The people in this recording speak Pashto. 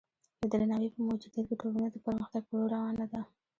د درناوي په موجودیت کې ټولنه د پرمختګ په لور روانه ده.